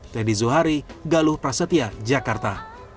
teddy zuhari galuh prasetya jakarta